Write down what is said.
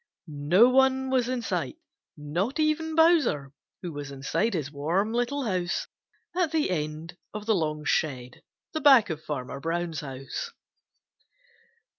No one was in sight, not even Bowser, who was inside his warm little house at the end of the long shed back of Farmer Brown's house.